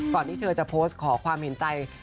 ที่เธอจะโพสต์ขอความเห็นใจ